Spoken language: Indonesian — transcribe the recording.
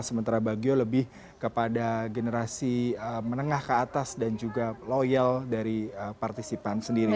sementara bagio lebih kepada generasi menengah ke atas dan juga loyal dari partisipan sendiri